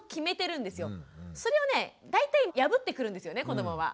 それをね大体破ってくるんですよね子どもは。